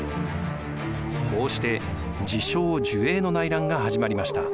こうして治承・寿永の内乱が始まりました。